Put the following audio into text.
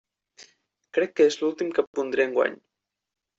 Crec que és l'últim que pondré enguany.